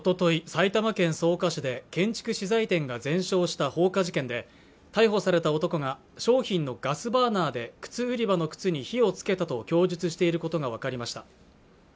埼玉県草加市で建築資材店が全焼した放火事件で逮捕された男が商品のガスバーナーで靴売り場の靴に火をつけたと供述していることが分かりました